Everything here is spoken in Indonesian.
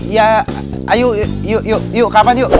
ya ayo yuk yuk yuk kapan yuk